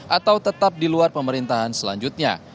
atau tetap di luar pemerintahan selanjutnya